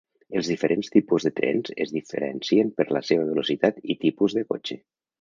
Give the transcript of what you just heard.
Els diferents tipus de trens es diferencien per la seva velocitat i tipus de cotxe.